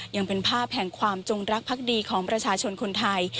ยังเป็นภาพแห่งความจงรักพักดีของประชาชนคนไทย